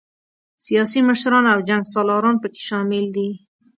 سیاسي مشران او جنګ سالاران پکې شامل دي.